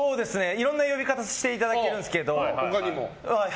いろんな呼び方をしていただいているんですけど。